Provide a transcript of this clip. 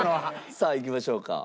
さあいきましょうか。